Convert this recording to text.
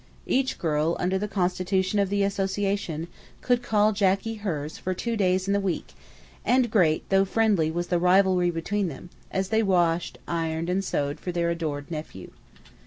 Each girl, under the constitution of the association, could call Jacky "hers" for two days in the week, and great, though friendly, was the rivalry between them, as they washed, ironed, and sewed for their adored nephew.